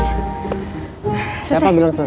siapa bilang selesai